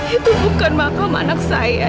itu bukan makam anak saya